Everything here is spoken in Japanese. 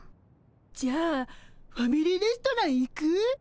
じゃあファミリーレストラン行く？